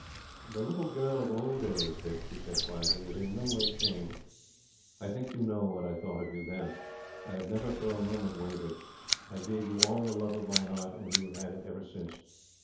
"The little girl of old days, Dick," she said quietly, "is in no way changed. I think you know what I thought of you, then. I have never for a moment wavered. I gave you all the love of my heart, and you have had it ever since.